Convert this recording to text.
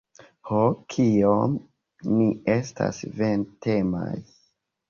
Ho, kiom ni estas vantemaj!